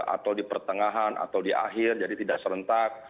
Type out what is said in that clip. atau di pertengahan atau di akhir jadi tidak serentak